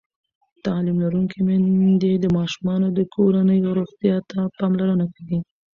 تعلیم لرونکې میندې د ماشومانو د کورنۍ روغتیا ته پاملرنه کوي.